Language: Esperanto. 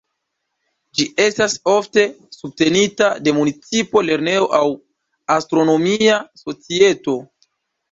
Ĝi estas ofte subtenita de municipo, lernejo aŭ astronomia societo.